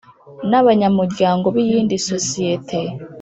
n abanyamuryango b iyindi sosiyete